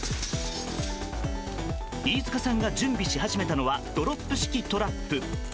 飯塚さんが準備し始めたのはドロップ式トラップ。